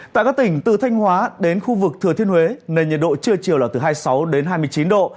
tại các tỉnh từ thanh hóa đến khu vực thừa thiên huế nền nhiệt độ trưa chiều là từ hai mươi sáu đến hai mươi chín độ